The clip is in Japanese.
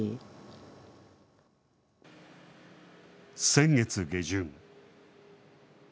先月下旬。